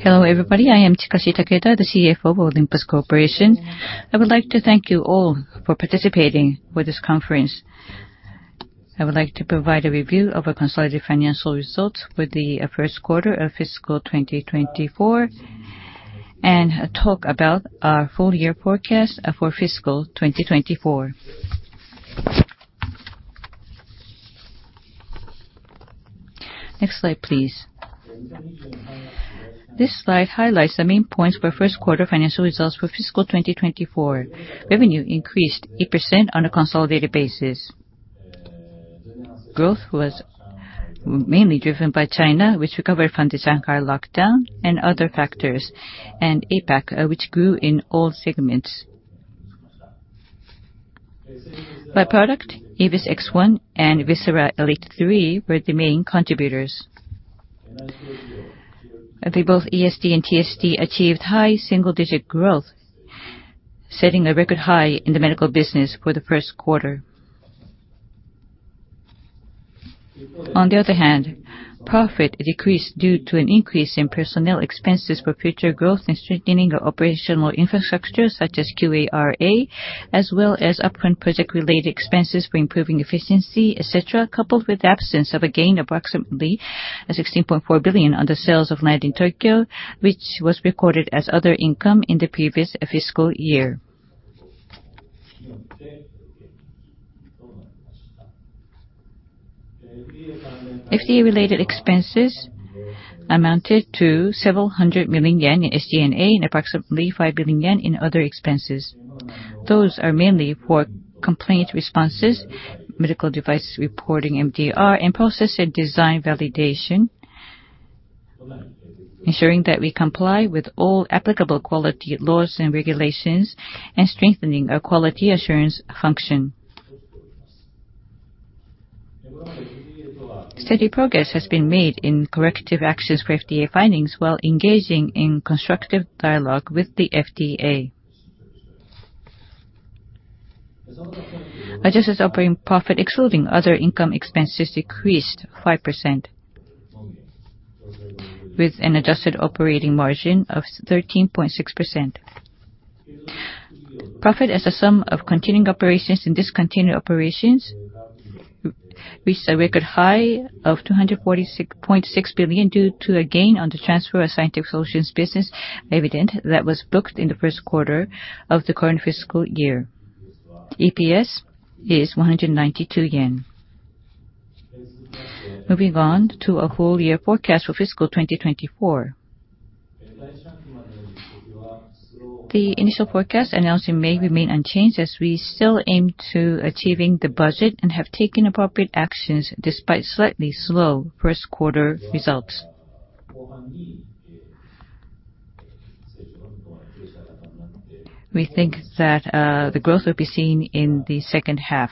Hello, everybody. I am Chikashi Takeda, the CFO of Olympus Corporation. I would like to thank you all for participating for this conference. I would like to provide a review of our consolidated financial results for the first quarter of fiscal 2024, and talk about our full year forecast for fiscal 2024. Next slide, please. This slide highlights the main points for first quarter financial results for fiscal 2024. Revenue increased 8% on a consolidated basis. Growth was mainly driven by China, which recovered from the Shanghai lockdown and other factors, and APAC, which grew in all segments. By product, EVIS X1 and VISERA ELITE III were the main contributors. Both ESD and TSD achieved high single-digit growth, setting a record high in the medical business for the first quarter. On the other hand, profit decreased due to an increase in personnel expenses for future growth and strengthening of operational infrastructure such as QA/RA, as well as upfront project-related expenses for improving efficiency, et cetera, coupled with the absence of a gain of approximately 16.4 billion on the sales of land in Tokyo, which was recorded as other income in the previous fiscal year. FDA-related expenses amounted to several hundred million JPY in SG&A and approximately 5 billion yen in other expenses. Those are mainly for complaint responses, medical device reporting, MDR, and process and design validation, ensuring that we comply with all applicable quality laws and regulations, and strengthening our quality assurance function. Steady progress has been made in corrective actions for FDA findings while engaging in constructive dialogue with the FDA. Adjusted operating profit, excluding other income expenses, decreased 5%, with an adjusted operating margin of 13.6%. Profit as a sum of continuing operations and discontinued operations reached a record high of 246.6 billion, due to a gain on the transfer of Scientific Solutions business Evident that was booked in the first quarter of the current fiscal year. EPS is 192 yen. Moving on to our whole year forecast for fiscal 2024. The initial forecast announced in May remains unchanged, as we still aim to achieving the budget and have taken appropriate actions despite slightly slow first quarter results. We think that the growth will be seen in the second half.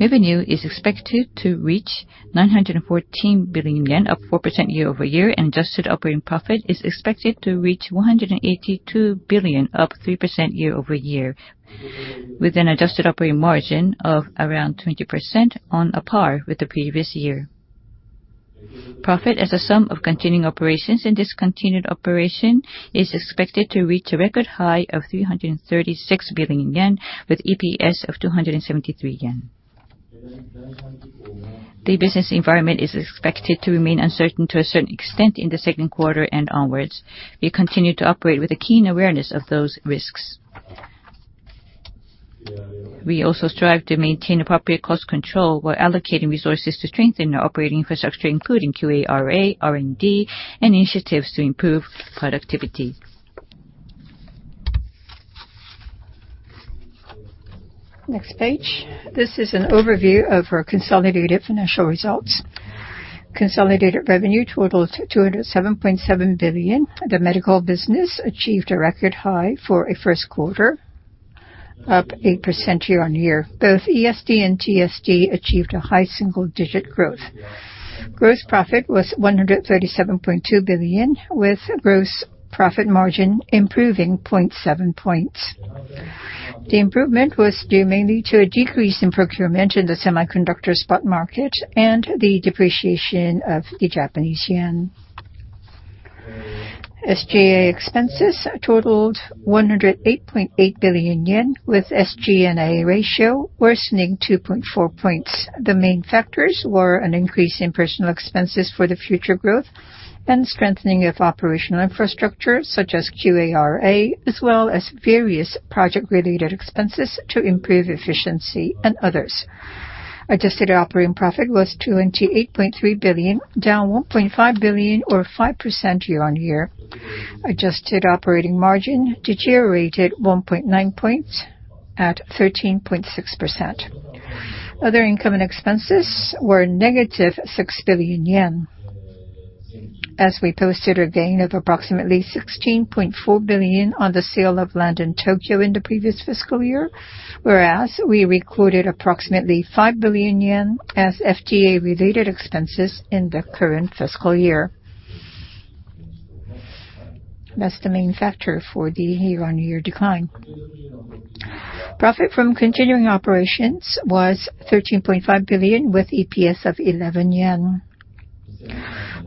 Revenue is expected to reach 914 billion yen, up 4% year-over-year, and adjusted operating profit is expected to reach 182 billion, up 3% year-over-year, with an adjusted operating margin of around 20%, on par with the previous year. Profit as a sum of continuing operations and discontinued operation is expected to reach a record high of 336 billion yen, with EPS of 273 yen. The business environment is expected to remain uncertain to a certain extent in the second quarter and onwards. We continue to operate with a keen awareness of those risks. We also strive to maintain appropriate cost control while allocating resources to strengthen our operating infrastructure, including QA/RA, R&D, and initiatives to improve productivity. Next page. This is an overview of our consolidated financial results. Consolidated revenue totaled JPY 207.7 billion. The medical business achieved a record high for a first quarter, up 8% year-on-year. Both ESD and TSD achieved a high single-digit growth. Gross profit was 137.2 billion, with gross profit margin improving 0.7 points. The improvement was due mainly to a decrease in procurement in the semiconductor spot market and the depreciation of the Japanese yen. SG&A expenses totaled 108.8 billion yen, with SG&A ratio worsening 2.4 points. The main factors were an increase in personal expenses for the future growth and strengthening of operational infrastructure such as QA/RA, as well as various project-related expenses to improve efficiency and others. Adjusted operating profit was 28.3 billion, down 1.5 billion or 5% year-on-year. Adjusted operating margin deteriorated 1.9 points at 13.6%. Other income and expenses were negative 6 billion yen, as we posted a gain of approximately 16.4 billion on the sale of land in Tokyo in the previous fiscal year, whereas we recorded approximately 5 billion yen as FDA-related expenses in the current fiscal year. That's the main factor for the year-on-year decline. Profit from continuing operations was 13.5 billion, with EPS of 11 yen.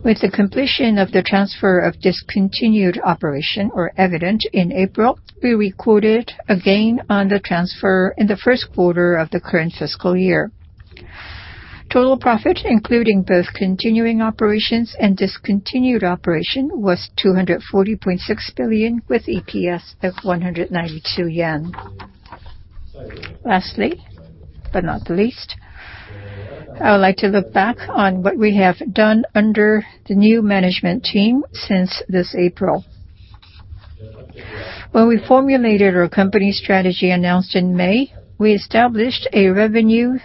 With the completion of the transfer of discontinued operation, or Evident, in April, we recorded a gain on the transfer in the first quarter of the current fiscal year. Total profit, including both continuing operations and discontinued operation, was 240.6 billion, with EPS of 192 yen. Lastly, but not the least, I would like to look back on what we have done under the new management team since this April. When we formulated our company strategy announced in May, we established a revenue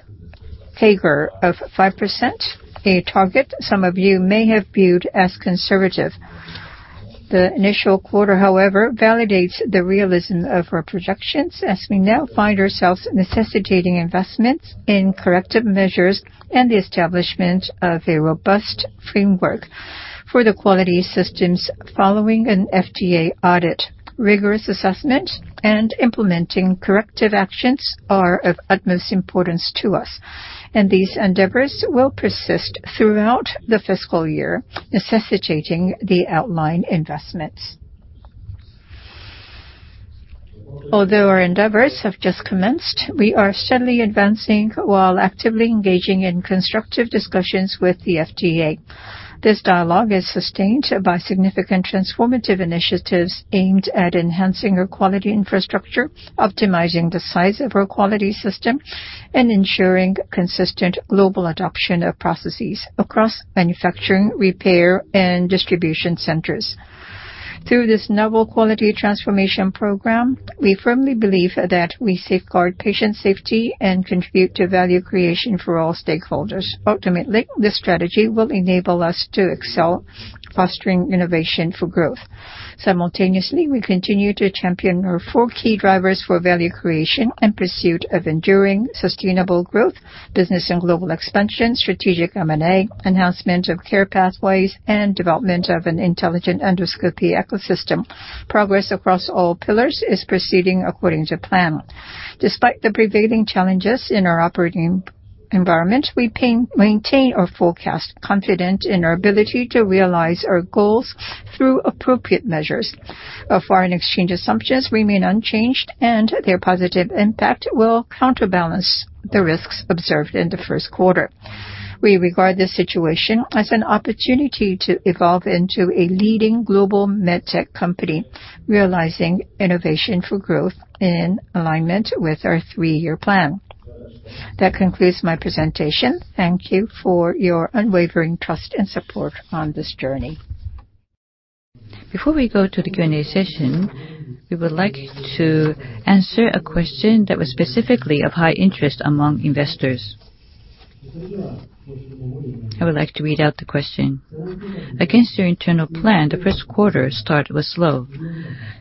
CAGR of 5%, a target some of you may have viewed as conservative. The initial quarter, however, validates the realism of our projections as we now find ourselves necessitating investments in corrective measures and the establishment of a robust framework for the quality systems following an FDA audit. Rigorous assessment and implementing corrective actions are of utmost importance to us, and these endeavors will persist throughout the fiscal year, necessitating the outlined investments. Although our endeavors have just commenced, we are steadily advancing while actively engaging in constructive discussions with the FDA. This dialogue is sustained by significant transformative initiatives aimed at enhancing our quality infrastructure, optimizing the size of our quality system, and ensuring consistent global adoption of processes across manufacturing, repair, and distribution centers. Through this novel quality transformation program, we firmly believe that we safeguard patient safety and contribute to value creation for all stakeholders. Ultimately, this strategy will enable us to excel, fostering innovation for growth. Simultaneously, we continue to champion our four key drivers for value creation and pursuit of enduring sustainable growth: business and global expansion, strategic M&A, enhancement of care pathways, and development of an intelligent endoscopy ecosystem. Progress across all pillars is proceeding according to plan. Despite the prevailing challenges in our operating environment, we maintain our forecast, confident in our ability to realize our goals through appropriate measures. Our foreign exchange assumptions remain unchanged, and their positive impact will counterbalance the risks observed in the first quarter. We regard this situation as an opportunity to evolve into a leading global medtech company, realizing innovation for growth in alignment with our three-year plan. That concludes my presentation. Thank you for your unwavering trust and support on this journey. Before we go to the Q&A session, we would like to answer a question that was specifically of high interest among investors. I would like to read out the question. Against your internal plan, the first quarter start was slow.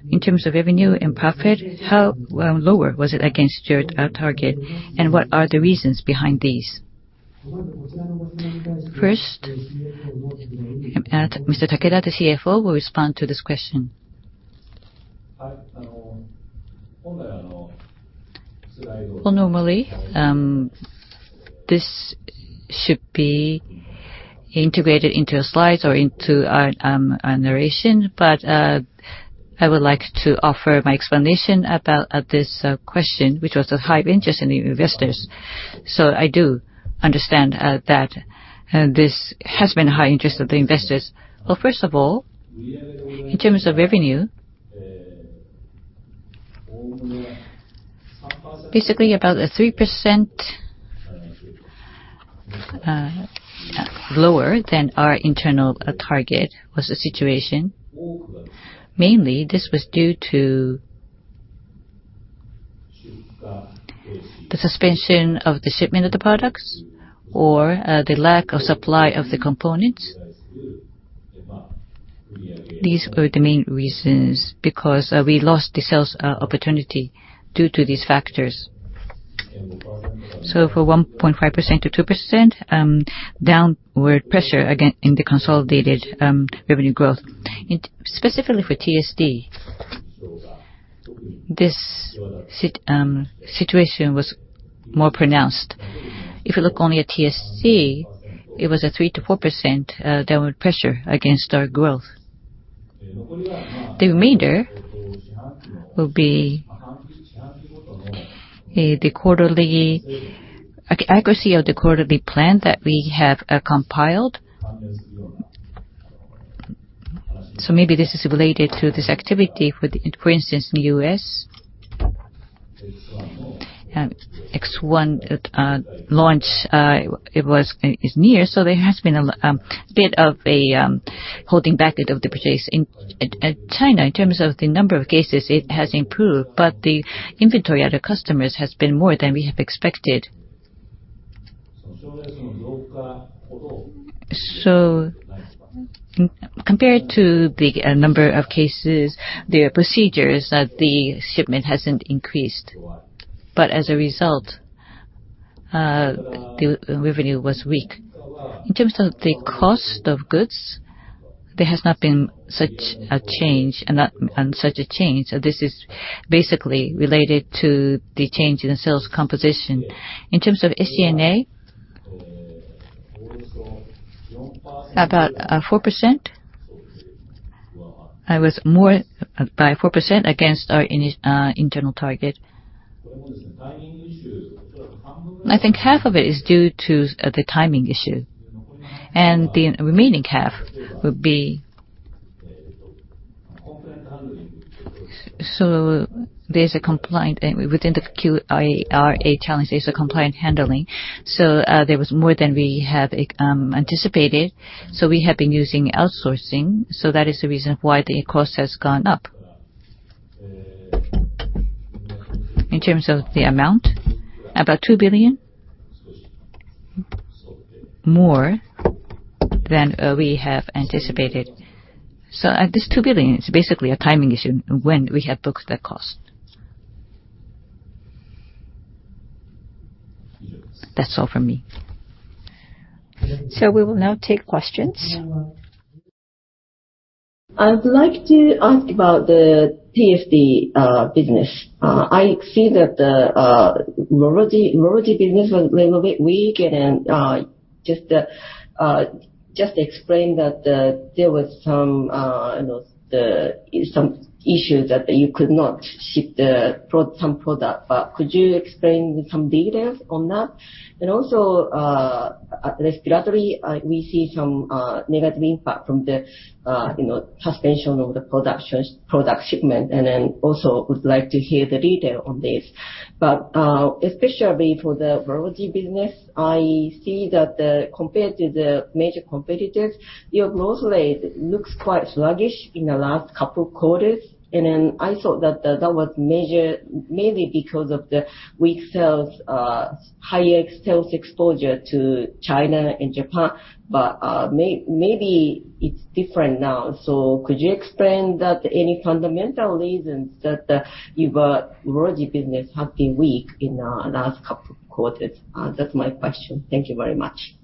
In terms of revenue and profit, how lower was it against your target, and what are the reasons behind these? First, Mr. Takeda, the CFO, will respond to this question. Well, normally, this should be integrated into a slide or into a narration. I would like to offer my explanation about this question, which was of high interest in the investors. I do understand that this has been a high interest of the investors. Well, first of all, in terms of revenue, basically about 3% lower than our internal target was the situation. Mainly, this was due to the suspension of the shipment of the products or the lack of supply of the components. These were the main reasons, because we lost the sales opportunity due to these factors. For 1.5%-2% downward pressure in the consolidated revenue growth. Specifically for TSD, this situation was more pronounced. If you look only at TSD, it was a 3%-4% downward pressure against our growth. The remainder will be the accuracy of the quarterly plan that we have compiled. Maybe this is related to this activity with, for instance, the U.S. X1 launch is near, so there has been a bit of a holding back of the purchase in China. In terms of the number of cases, it has improved, the inventory at the customers has been more than we have expected. Compared to the number of cases, the procedures that the shipment hasn't increased. As a result, the revenue was weak. In terms of the cost of goods, there has not been such a change. This is basically related to the change in the sales composition. In terms of SG&A, about 4%, it was more by 4% against our internal target. I think half of it is due to the timing issue, and the remaining half would be. There's a complaint within the QA/RA challenge, there's a complaint handling. There was more than we had anticipated. We have been using outsourcing. That is the reason why the cost has gone up. In terms of the amount, about 2 billion more than we have anticipated. This 2 billion is basically a timing issue when we had booked that cost. That's all from me. We will now take questions. I would like to ask about the TSD business. I see that the urology business was a little bit weak and just explain that there was some issues that you could not ship some product. Could you explain some details on that? Also, respiratory, we see some negative impact from the suspension of the product shipment, and also would like to hear the detail on this. Especially for the urology business, I see that compared to the major competitors, your growth rate looks quite sluggish in the last couple of quarters. I thought that was mainly because of the weak sales, high exposure to China and Japan. Maybe it's different now. Could you explain any fundamental reasons that your urology business has been weak in the last couple of quarters? That's my question. Thank you very much.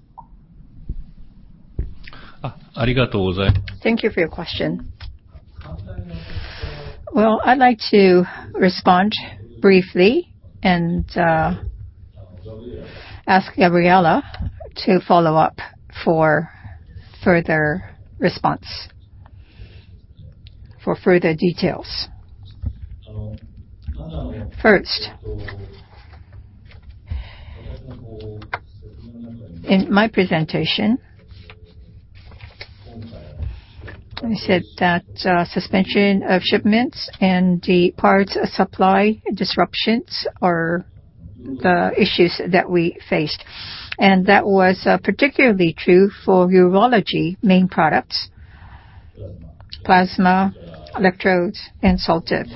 Thank you for your question. Well, I'd like to respond briefly and ask Gabriela to follow up for further response, for further details. First, in my presentation, I said that suspension of shipments and the parts supply disruptions are the issues that we faced. That was particularly true for urology main products, PLASMA, electrodes, and SOLTIVE.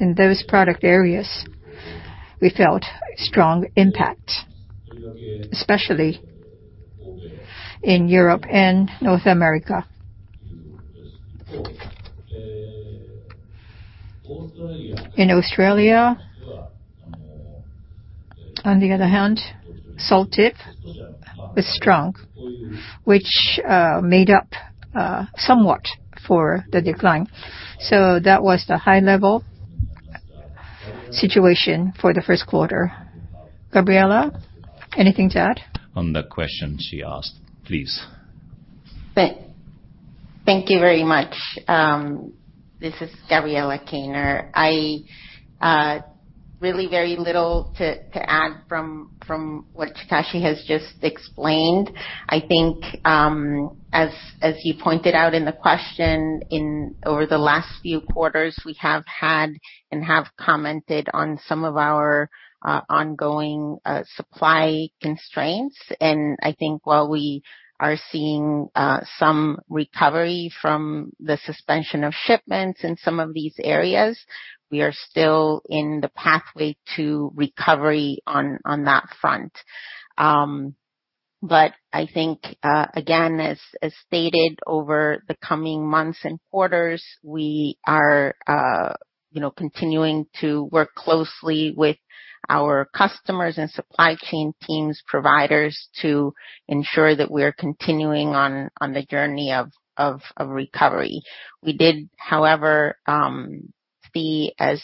In those product areas, we felt a strong impact, especially in Europe and North America. In Australia, on the other hand, SOLTIVE was strong, which made up somewhat for the decline. That was the high-level situation for the first quarter. Gabriela, anything to add? On the question she asked, please. Thank you very much. This is Gabriela Kaynor. Really very little to add from what Takeda has just explained. I think as he pointed out in the question, over the last few quarters, we have had and have commented on some of our ongoing supply constraints. I think while we are seeing some recovery from the suspension of shipments in some of these areas, we are still in the pathway to recovery on that front. I think, again, as stated over the coming months and quarters, we are continuing to work closely with our customers and supply chain teams, providers to ensure that we are continuing on the journey of recovery. We did, however, see, as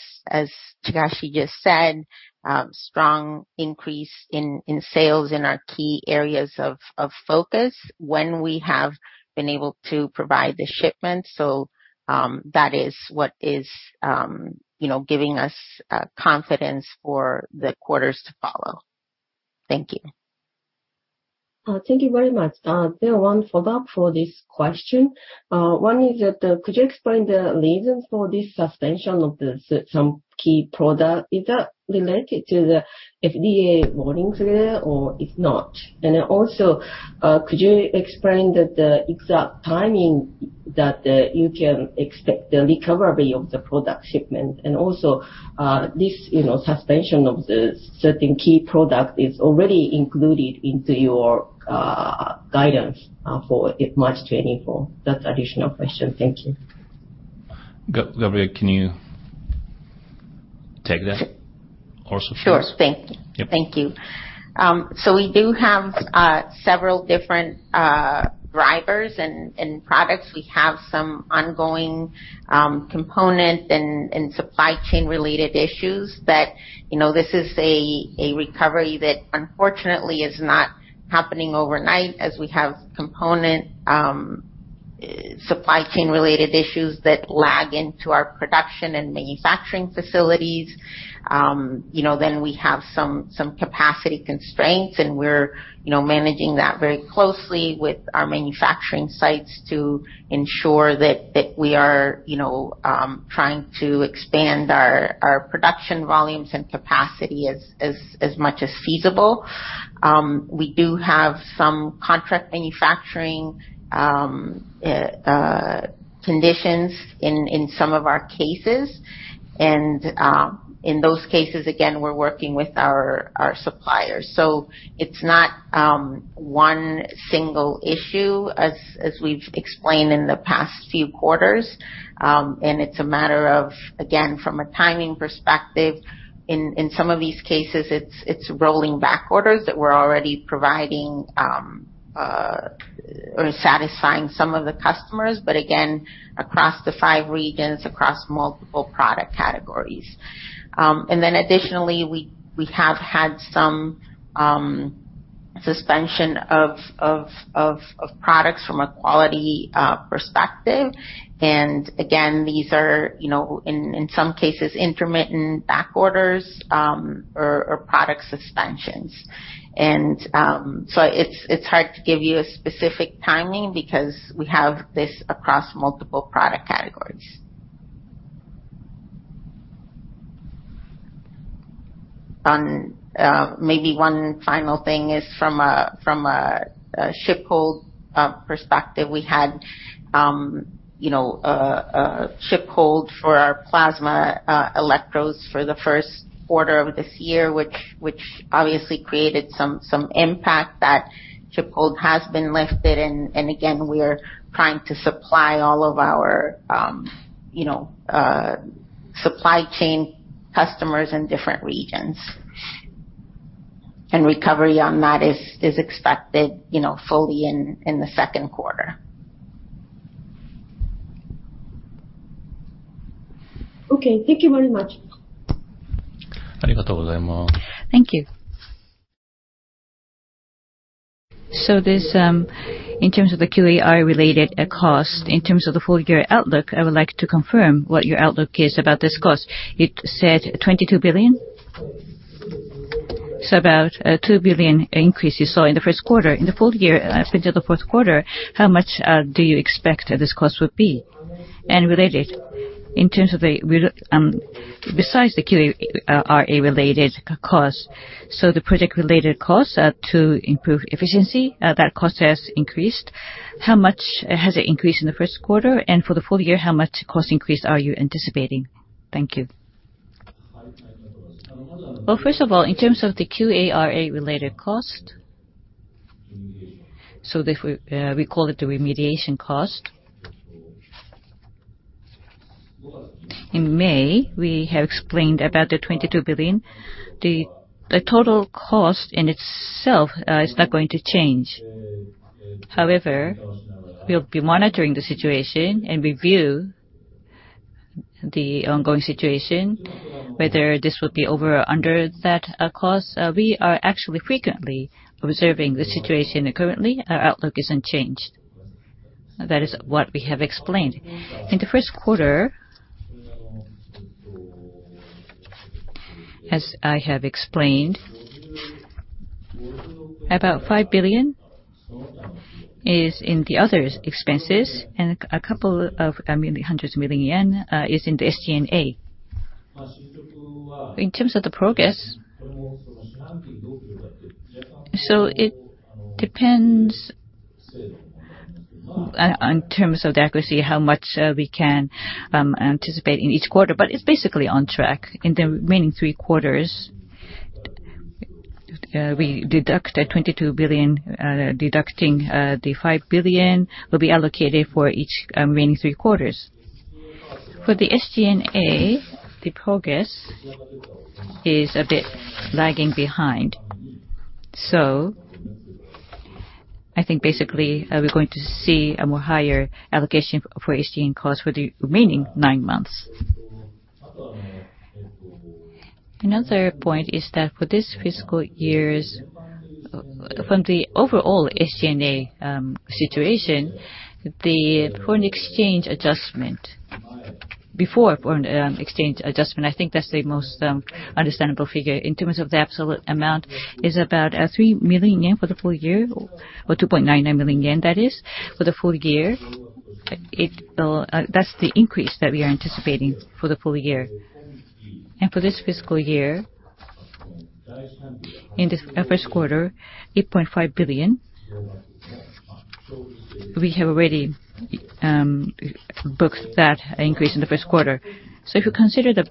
Takeda just said, strong increase in sales in our key areas of focus when we have been able to provide the shipment. That is what is giving us confidence for the quarters to follow. Thank you. Thank you very much. There are one follow-up for this question. One is that could you explain the reasons for this suspension of some key product? Is that related to the FDA warnings or if not? Could you explain the exact timing that you can expect the recovery of the product shipment? This suspension of the certain key product is already included into your guidance for March 2024. That's additional question. Thank you. Gloria, can you take that also? Sure. Thank you. Yep. Thank you. We do have several different drivers and products. We have some ongoing component and supply chain related issues that this is a recovery that unfortunately is not happening overnight as we have component, supply chain related issues that lag into our production and manufacturing facilities. We have some capacity constraints, and we're managing that very closely with our manufacturing sites to ensure that we are trying to expand our production volumes and capacity as much as feasible. We do have some contract manufacturing conditions in some of our cases. In those cases, again, we're working with our suppliers. It's not one single issue, as we've explained in the past few quarters. It's a matter of, again, from a timing perspective, in some of these cases, it's rolling back orders that we're already providing or satisfying some of the customers. Again, across the five regions, across multiple product categories. Additionally, we have had some suspension of products from a quality perspective. Again, these are, in some cases, intermittent back orders or product suspensions. It's hard to give you a specific timing because we have this across multiple product categories. Maybe one final thing is from a ship hold perspective, we had a ship hold for our PLASMA electrodes for the first quarter of this year, which obviously created some impact. That ship hold has been lifted, and again, we are trying to supply all of our supply chain customers in different regions. Recovery on that is expected fully in the second quarter. Okay. Thank you very much. Thank you. This, in terms of the QA/RA related cost, in terms of the full year outlook, I would like to confirm what your outlook is about this cost. You said 22 billion? About a 2 billion increase you saw in the first quarter. In the full year into the fourth quarter, how much do you expect this cost would be? Related, in terms of the-- Besides the QA/RA related cost, the project related cost to improve efficiency, that cost has increased. How much has it increased in the first quarter? For the full year, how much cost increase are you anticipating? Thank you. Well, first of all, in terms of the QA/RA related cost, we call it the remediation cost. In May, we have explained about the 22 billion. The total cost in itself is not going to change. However, we'll be monitoring the situation and review the ongoing situation, whether this would be over or under that cost. We are actually frequently observing the situation. Currently, our outlook isn't changed. That is what we have explained. In the first quarter, as I have explained, about 5 billion is in the other expenses and a couple of hundreds of million JPY is in the SG&A. In terms of the progress, it depends on terms of the accuracy, how much we can anticipate in each quarter. It's basically on track. In the remaining three quarters, we deduct the 22 billion, deducting the 5 billion will be allocated for each remaining three quarters. For the SG&A, the progress is a bit lagging behind. I think basically, we're going to see a more higher allocation for SG&A cost for the remaining nine months. Another point is that for this fiscal year, from the overall SG&A situation, before foreign exchange adjustment, I think that's the most understandable figure in terms of the absolute amount is about 3 million yen for the full year, or 2.99 million yen, that is, for the full year. That's the increase that we are anticipating for the full year. For this fiscal year, in the first quarter, 8.5 billion, we have already booked that increase in the first quarter. If you consider the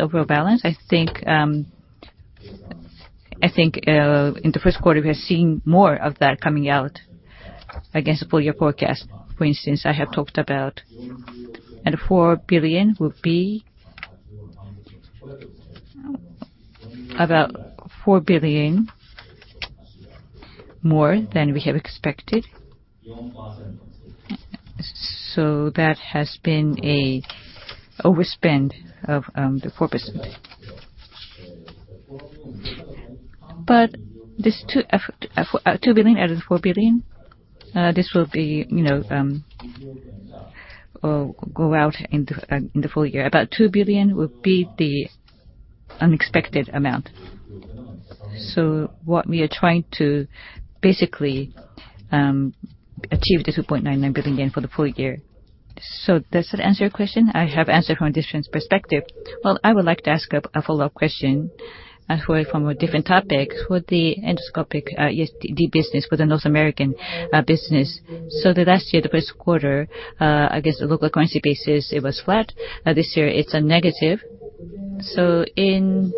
overall balance, I think in the first quarter, we are seeing more of that coming out. I guess, the full year forecast, for instance, I have talked about 4 billion would be about 4 billion more than we have expected. That has been an overspend of the 4%. This 2 billion out of the 4 billion, this will go out in the full year. About 2 billion will be the unexpected amount. What we are trying to basically achieve the 2.99 billion yen for the full year. Does that answer your question? I have answered from a different perspective. I would like to ask a follow-up question from a different topic. With the endoscopic USD business, with the North American business. The last year, the first quarter, I guess the local currency basis, it was flat. This year it is a negative. In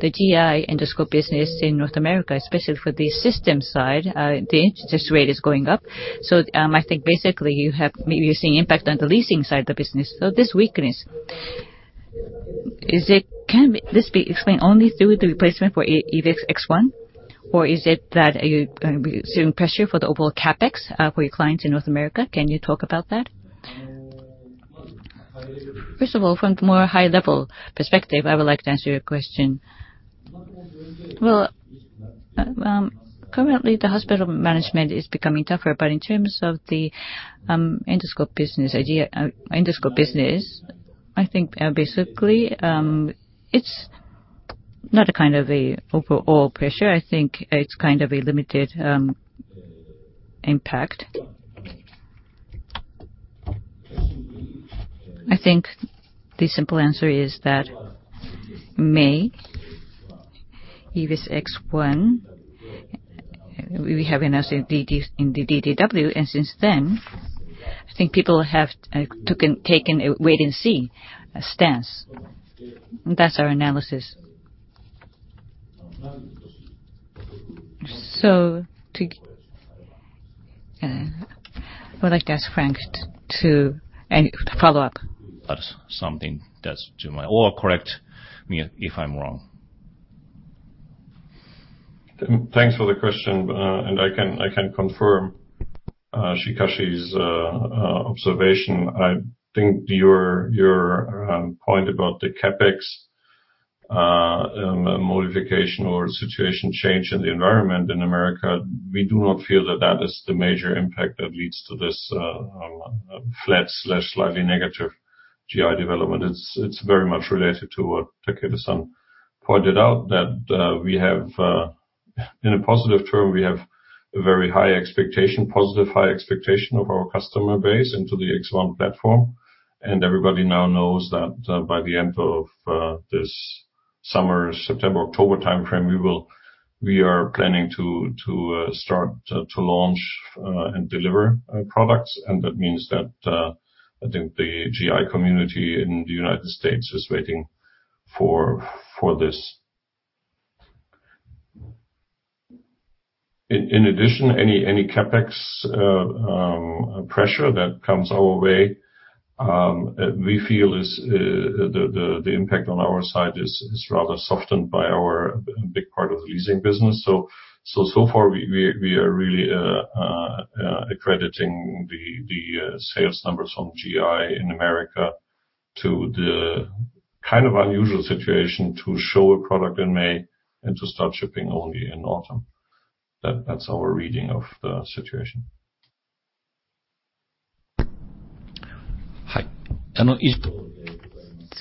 the GI endoscope business in North America, especially for the system side, the interest rate is going up. I think basically you are seeing impact on the leasing side of the business. This weakness, can this be explained only through the replacement for EVIS X1, or is it that you are going to be seeing pressure for the overall CapEx for your clients in North America? Can you talk about that? First of all, from a more high level perspective, I would like to answer your question. Currently the hospital management is becoming tougher, but in terms of the endoscope business, I think basically it is not a kind of overall pressure. I think it is kind of a limited impact. I think the simple answer is that May, EVIS X1, we have announced in the DDW, and since then, I think people have taken a wait-and-see stance. That is our analysis. I would like to ask Frank to follow up. That is something that is to my. Correct me if I am wrong. Thanks for the question. I can confirm Chikashi's observation. I think your point about the CapEx modification or situation change in the environment in America, we do not feel that that is the major impact that leads to this flat/slightly negative GI development. It is very much related to what Takeda-san pointed out that, in a positive term, we have a very high expectation, positive high expectation of our customer base into the EVIS X1 platform. Everybody now knows that by the end of this summer, September, October timeframe, we are planning to start to launch and deliver products, and that means that I think the GI community in the United States is waiting for this. In addition, any CapEx pressure that comes our way, we feel the impact on our side is rather softened by our big part of the leasing business. So far we are really accrediting the sales numbers from GI in America to the kind of unusual situation to show a product in May and to start shipping only in autumn. That's our reading of the situation. Hi.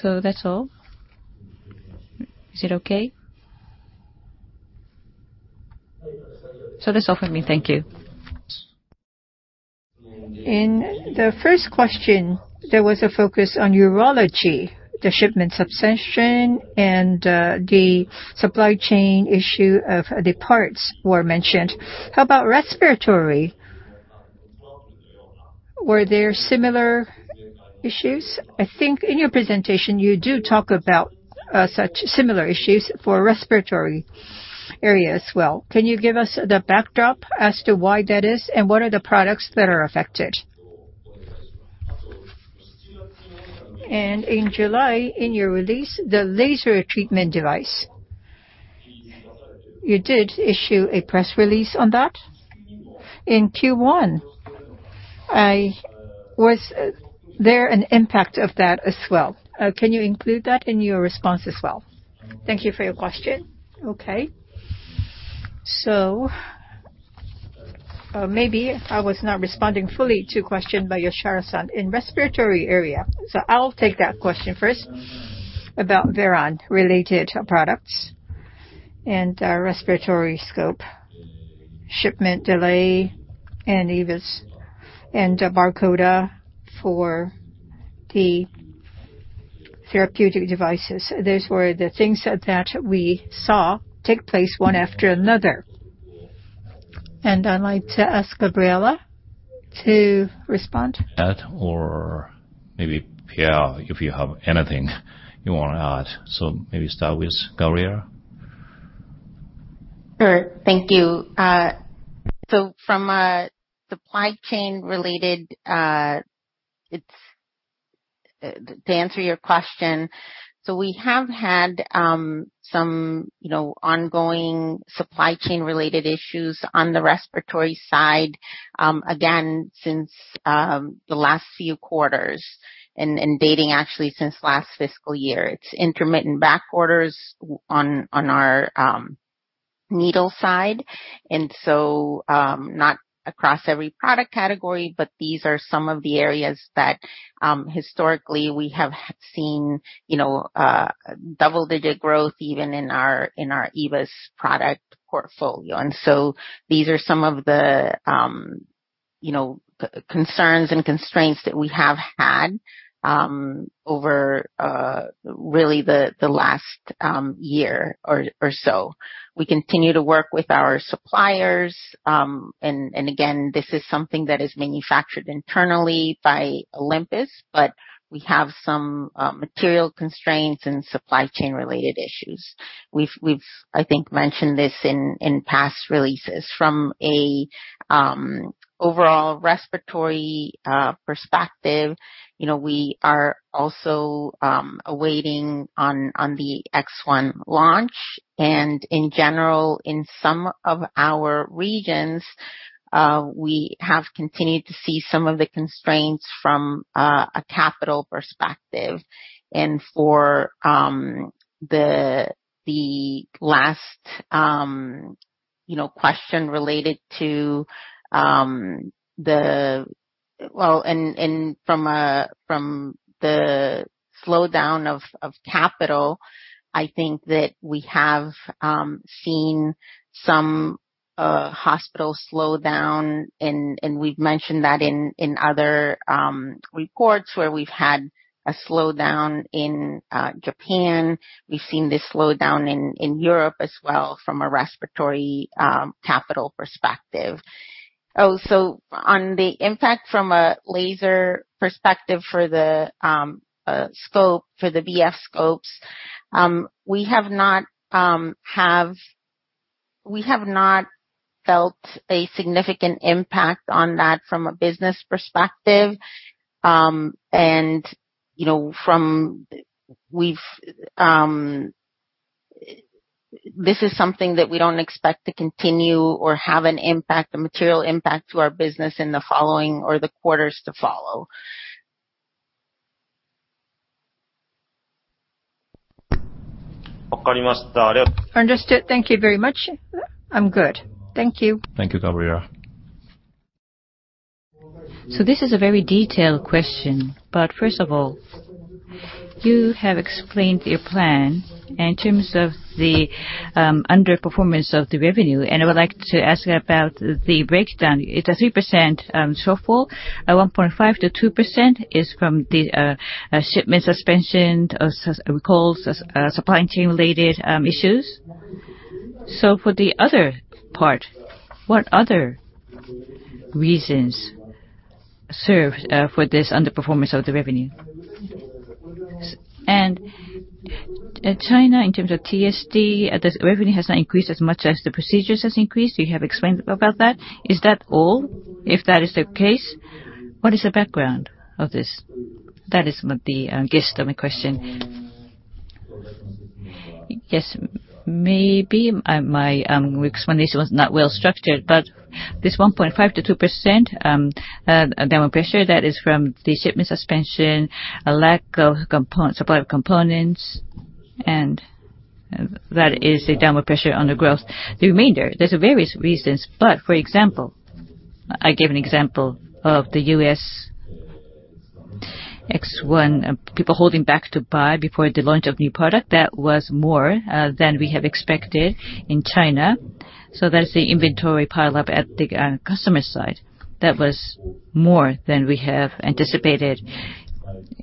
That's all. Is it okay? That's all from me. Thank you. In the first question, there was a focus on urology, the shipment suspension, and the supply chain issue of the parts were mentioned. How about respiratory? Were there similar issues? I think in your presentation you do talk about similar issues for respiratory area as well. Can you give us the backdrop as to why that is, and what are the products that are affected? In July, in your release, the laser treatment device. You did issue a press release on that in Q1. Was there an impact of that as well? Can you include that in your response as well? Thank you for your question. Okay. Maybe I was not responding fully to question by Yoshihara-san. In respiratory area. I'll take that question first about Veran related products and respiratory scope, shipment delay, and EVIS, and Vesocclude for the therapeutic devices. Those were the things that we saw take place one after another. I'd like to ask Gabriela to respond. Add or maybe, Pierre, if you have anything you want to add. Maybe start with Gabriela. Sure. Thank you. From a supply chain related, to answer your question, we have had some ongoing supply chain related issues on the respiratory side, again, since the last few quarters and dating actually since last fiscal year. It's intermittent back orders on our needle side. Not across every product category, but these are some of the areas that historically we have seen double-digit growth even in our EVIS product portfolio. These are some of the concerns and constraints that we have had over really the last year or so. We continue to work with our suppliers. Again, this is something that is manufactured internally by Olympus, but we have some material constraints and supply chain related issues. We've, I think, mentioned this in past releases. From a overall respiratory perspective, we are also awaiting on the X1 launch, in general in some of our regions, we have continued to see some of the constraints from a capital perspective. For the last question related to the Well, from the slowdown of capital, I think that we have seen some hospitals slow down, and we've mentioned that in other reports where we've had a slowdown in Japan. We've seen this slowdown in Europe as well from a respiratory capital perspective. On the impact from a laser perspective for the scope, for the VF scopes, we have not felt a significant impact on that from a business perspective. This is something that we don't expect to continue or have an impact, a material impact to our business in the following or the quarters to follow. Understood. Thank you very much. I'm good. Thank you. Thank you, Gabriela. This is a very detailed question, but first of all, you have explained your plan in terms of the underperformance of the revenue. I would like to ask about the breakdown. It is a 3% shortfall. A 1.5%-2% is from the shipment suspension to recalls, supply chain related issues. For the other part, what other reasons served for this underperformance of the revenue? China, in terms of TSD, the revenue has not increased as much as the procedures has increased. You have explained about that. Is that all? If that is the case, what is the background of this? That is the gist of my question. Maybe my explanation was not well structured, but this 1.5%-2% downward pressure, that is from the shipment suspension, a lack of supply of components, that is a downward pressure on the growth. The remainder, there is various reasons, but for example, I gave an example of the EVIS X1, people holding back to buy before the launch of new product. That was more than we have expected in China. There is the inventory pile-up at the customer side that was more than we have anticipated.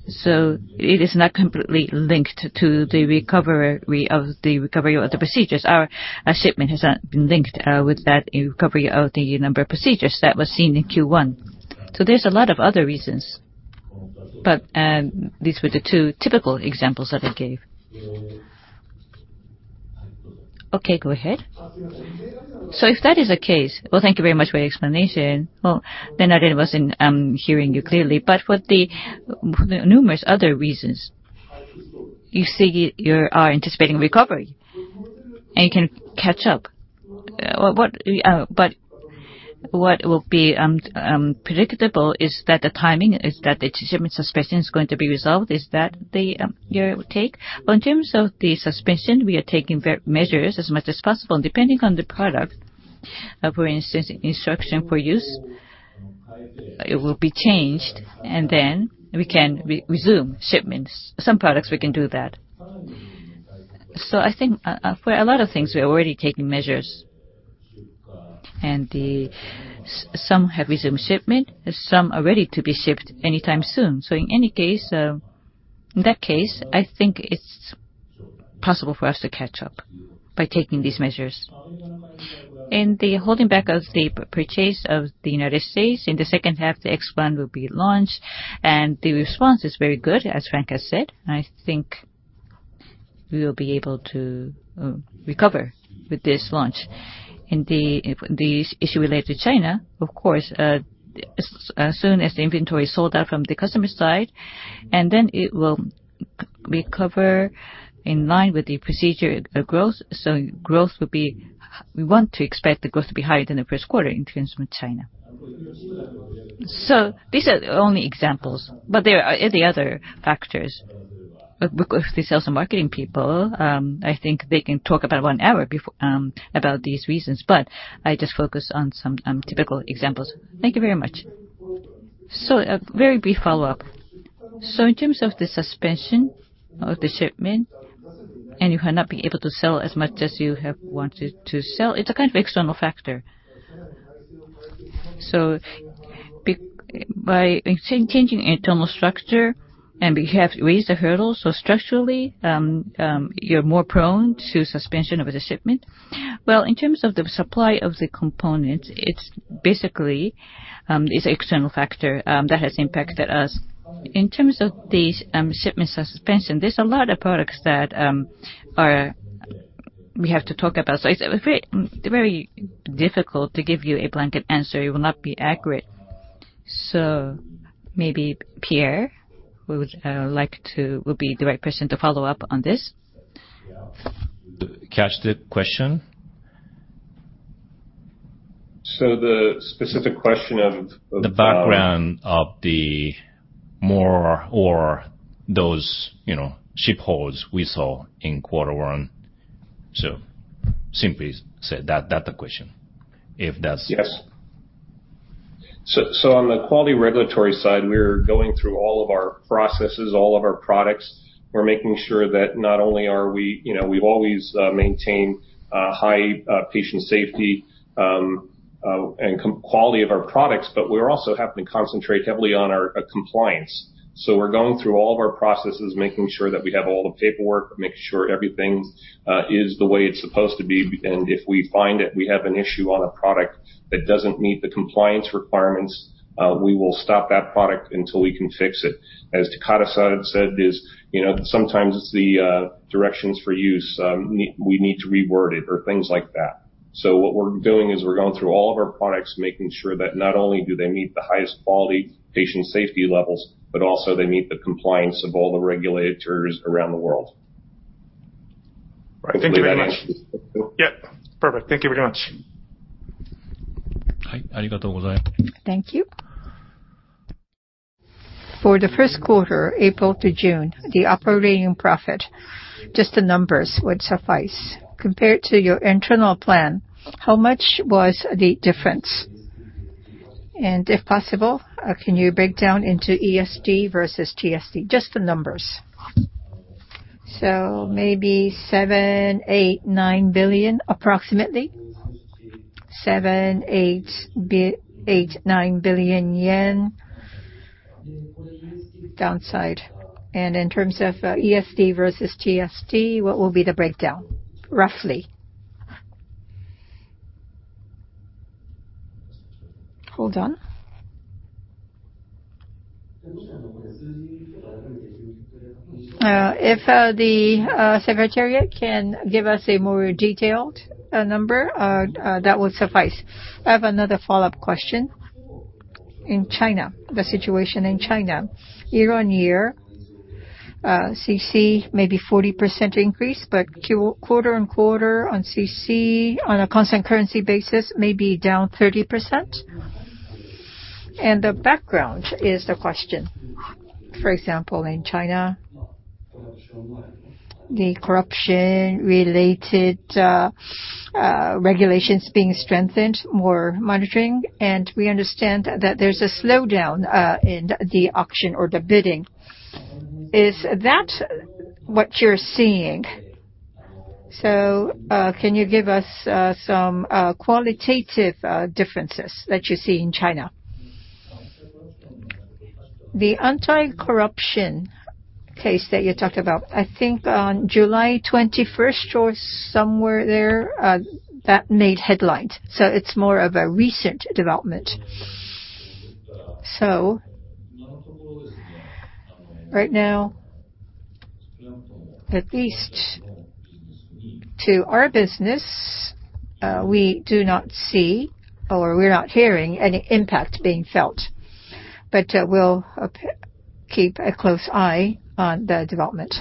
It is not completely linked to the recovery of the procedures. Our shipment has not been linked with that recovery of the number of procedures that was seen in Q1. There is a lot of other reasons. These were the two typical examples that I gave. Okay, go ahead. If that is the case, thank you very much for your explanation. Then I wasn't hearing you clearly. For the numerous other reasons, you are anticipating recovery, and you can catch up. What will be predictable is that the timing is that the shipment suspension is going to be resolved, is that your take? In terms of the suspension, we are taking measures as much as possible. Depending on the product, for instance, instruction for use, it will be changed and then we can resume shipments. Some products we can do that. I think for a lot of things, we are already taking measures. Some have resumed shipment, some are ready to be shipped anytime soon. In any case, in that case, I think it is possible for us to catch up by taking these measures. The holding back of the purchase of the U.S. in the second half, the EVIS X1 will be launched, the response is very good, as Frank has said. I think we will be able to recover with this launch. The issue related to China, of course, as soon as the inventory is sold out from the customer side, it will recover in line with the procedure growth. We want to expect the growth to be higher than the first quarter in terms of China. These are only examples, but there are the other factors. The sales and marketing people, I think they can talk about one hour about these reasons, but I just focus on some typical examples. Thank you very much. A very brief follow-up. In terms of the suspension of the shipment, you have not been able to sell as much as you have wanted to sell, it's a kind of external factor. By changing internal structure, we have raised the hurdle. Structurally, you're more prone to suspension of the shipment. Well, in terms of the supply of the components, it's basically, is external factor that has impacted us. In terms of the shipment suspension, there's a lot of products that we have to talk about. It's very difficult to give you a blanket answer. It will not be accurate. Maybe Pierre will be the right person to follow up on this. Yeah. Catch the question? The specific question of. The background of the more or those ship holds we saw in quarter one. Simply said, that's the question. Yes. On the quality regulatory side, we're going through all of our processes, all of our products. We're making sure that not only we've always maintained a high patient safety and quality of our products, but we're also having to concentrate heavily on our compliance. We're going through all of our processes, making sure that we have all the paperwork, making sure everything is the way it's supposed to be. If we find that we have an issue on a product that doesn't meet the compliance requirements, we will stop that product until we can fix it. As Takata said, is sometimes it's the directions for use, we need to reword it or things like that. What we're doing is we're going through all of our products, making sure that not only do they meet the highest quality patient safety levels, but also they meet the compliance of all the regulators around the world. Thank you very much. Yep. Perfect. Thank you very much. Thank you. For the first quarter, April to June, the operating profit, just the numbers would suffice. Compared to your internal plan, how much was the difference? If possible, can you break down into ESD versus TSD? Just the numbers. Maybe 7 billion, 8 billion, 9 billion approximately. 7 billion, 8 billion, 9 billion yen downside. In terms of ESD versus TSD, what will be the breakdown, roughly? Hold on. If the secretariat can give us a more detailed number, that would suffice. I have another follow-up question. In China, the situation in China, year-on-year, CC may be 40% increase, but quarter-on-quarter on CC on a constant currency basis may be down 30%. The background is the question. For example, in China, the corruption related regulations being strengthened, more monitoring, and we understand that there's a slowdown in the auction or the bidding. Is that what you're seeing? Can you give us some qualitative differences that you see in China? The anti-corruption case that you talked about, I think on July 21st or somewhere there, that made headlines. It's more of a recent development. Right now, at least to our business, we do not see or we're not hearing any impact being felt. We'll keep a close eye on the development,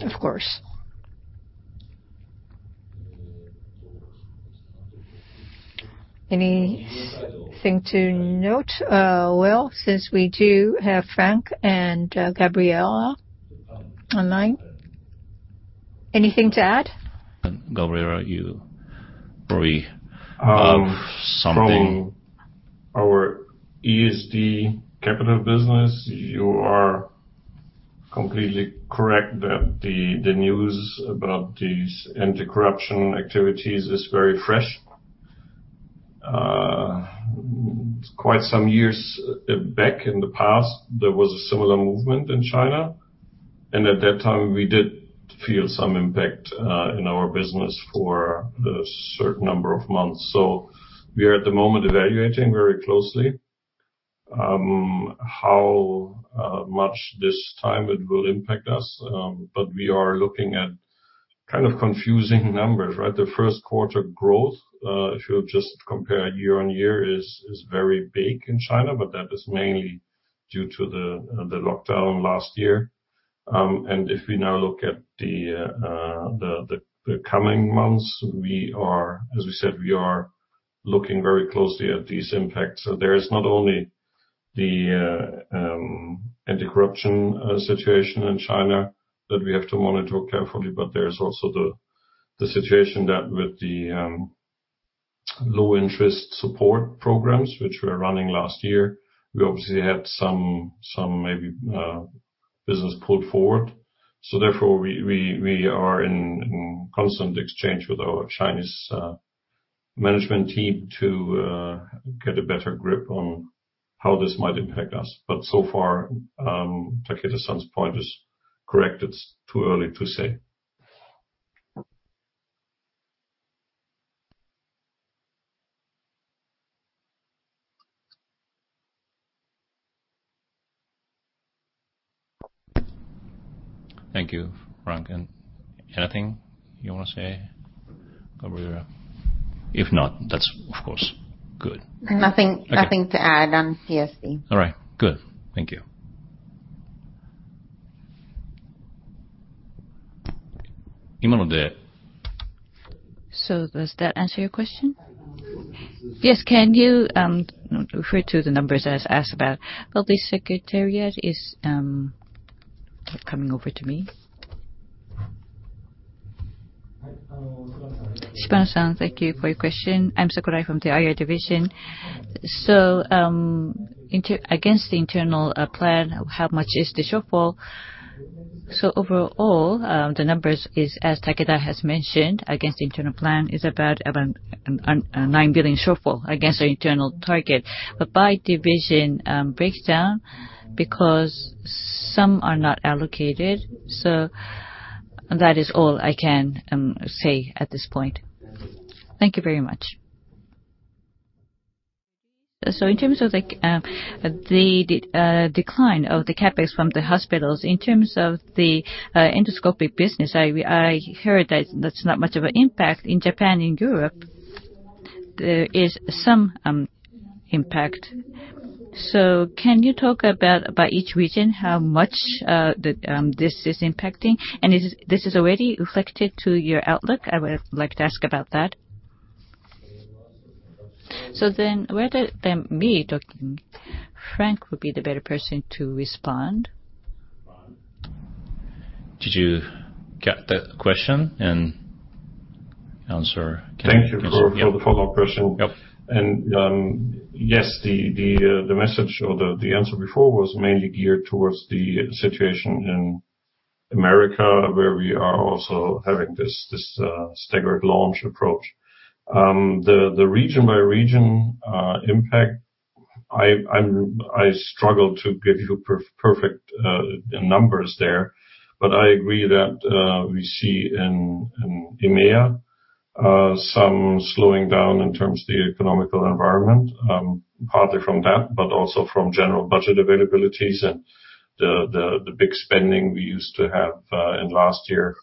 of course. Anything to note? Well, since we do have Frank and Gabriela online, anything to add? Gabriela, you probably have something. From our ESD capital business, you are completely correct that the news about these anti-corruption activities is very fresh. Quite some years back in the past, there was a similar movement in China, and at that time, we did feel some impact in our business for a certain number of months. We are at the moment evaluating very closely how much this time it will impact us, we are looking at kind of confusing numbers, right? The first quarter growth, if you just compare year-on-year, is very big in China, that is mainly due to the lockdown last year. If we now look at the coming months, as we said, we are looking very closely at these impacts. There is not only the anti-corruption situation in China that we have to monitor carefully, there's also the situation that with the low-interest support programs, which were running last year, we obviously had some maybe business pulled forward. Therefore, we are in constant exchange with our Chinese management team to get a better grip on how this might impact us. So far, Takeda-san's point is correct. It's too early to say. Thank you. Frank, anything you want to say? Kabira. If not, that's, of course, good. Nothing to add on CSC. All right, good. Thank you. Does that answer your question? Yes. Can you refer to the numbers as asked about? Well, the secretariat is coming over to me. Shibata-san, thank you for your question. I am Sakurai from the IR division. Against the internal plan, how much is the shortfall? Overall, the numbers is, as Takeda has mentioned, against the internal plan, is about a 9 billion shortfall against our internal target. By division breakdown, because some are not allocated. That is all I can say at this point. Thank you very much. In terms of the decline of the CapEx from the hospitals, in terms of the endoscopic business, I heard that's not much of an impact in Japan. In Europe, there is some impact. Can you talk about, by each region, how much this is impacting? This is already reflected to your outlook. I would like to ask about that. Rather than me talking, Frank would be the better person to respond. Did you get that question and answer? Thank you for the follow-up question. Yep. Yes, the message or the answer before was mainly geared towards the situation in America, where we are also having this staggered launch approach. The region-by-region impact, I struggle to give you perfect numbers there, but I agree that we see in EMEA some slowing down in terms of the economical environment, partly from that, but also from general budget availabilities and the big spending we used to have in last year,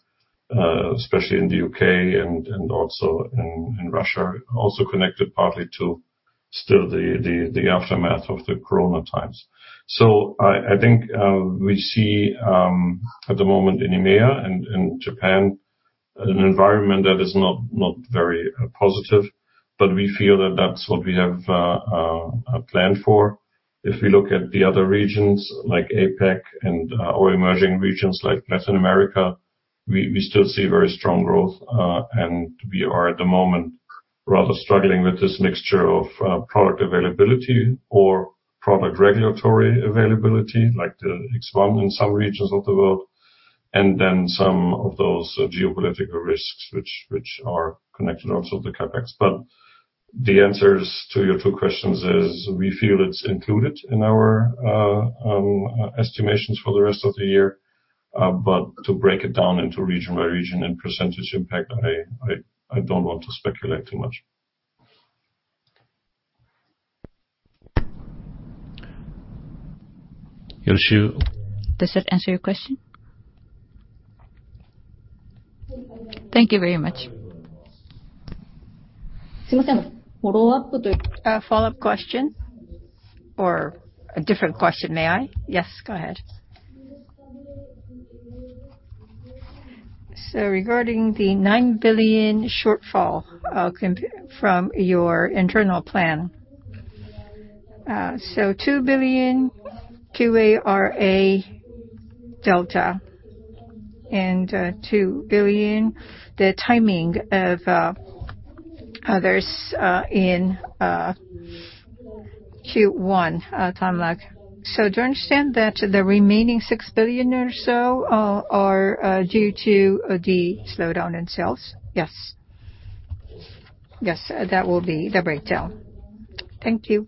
especially in the U.K. and also in Russia, also connected partly to still the aftermath of the corona times. I think we see, at the moment in EMEA and in Japan, an environment that is not very positive, but we feel that that's what we have planned for. If we look at the other regions, like APAC or emerging regions like Latin America, we still see very strong growth. We are, at the moment, rather struggling with this mixture of product availability or product regulatory availability, like the X1 in some regions of the world. Then some of those geopolitical risks, which are connected also to CapEx. The answers to your two questions is, we feel it's included in our estimations for the rest of the year, but to break it down into region by region and percentage impact, I don't want to speculate too much. Yoshio. Does that answer your question? Thank you very much. A follow-up question or a different question, may I? Yes, go ahead. Regarding the 9 billion shortfall from your internal plan. 2 billion QA/RA delta and 2 billion, the timing of others in Q1 time lag. Do you understand that the remaining 6 billion or so are due to the slowdown in sales? Yes, that will be the breakdown. Thank you.